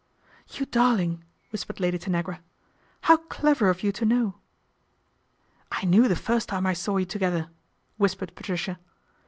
' You darling !" whispered Lady Tanagra. ' How clever of you to know." "I knew the first time I saw you together, whispered Patricia.